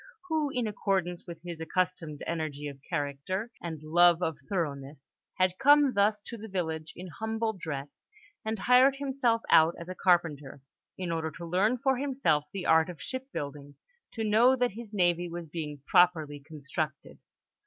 who, in accordance with his accustomed energy of character and love of thoroughness, had come thus to the village in humble dress and hired himself out as a carpenter, in order to learn for himself the art of shipbuilding, to know that his navy was being properly constructed.